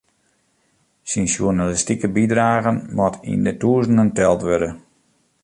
Syn sjoernalistike bydragen moat yn de tûzenen teld wurde.